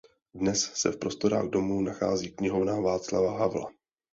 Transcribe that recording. Dnes se v prostorách domu nachází Knihovna Václava Havla.